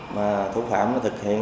mà thủ phạm nó thực hiện